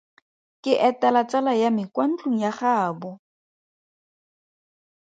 Ke etela tsala ya me kwa ntlong ya gaabo.